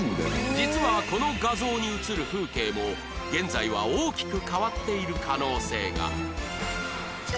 実はこの画像に写る風景も現在は大きく変わっている可能性が